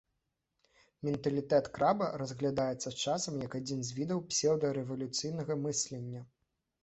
Менталітэт краба разглядаецца, часам, як адзін з відаў псеўдарэвалюцыйнага мыслення.